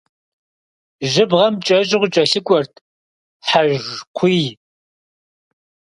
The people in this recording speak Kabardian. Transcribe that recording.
Жьыбгъэм кӏэщӏу къыкӏэлъыкӏуэрт хьэжкуий.